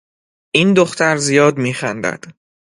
این دختر زیاد می خندد